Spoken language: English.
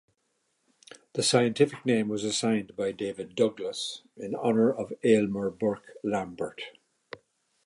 The scientific name was assigned by David Douglas in honor of Aylmer Bourke Lambert.